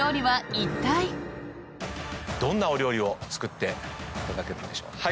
どんなお料理を作っていただけるんでしょう？